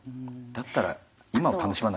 だったら今を楽しまないと。